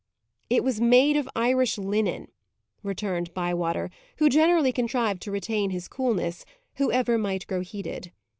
"It was made of Irish linen," returned Bywater, who generally contrived to retain his coolness, whoever might grow heated.